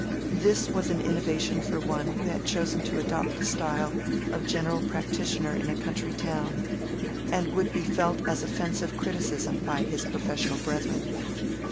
This was an innovation for one who had chosen to adopt the style of general practitioner in a country town, and would be felt as offensive criticism by his professional brethren.